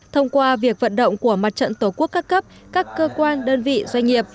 thông qua việc vận động của mặt trận tổ quốc các cấp các cơ quan đơn vị doanh nghiệp